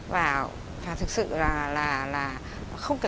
và thật sự là không thể